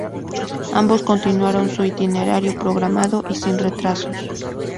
Ambos continuaron su itinerario programado y sin retrasos.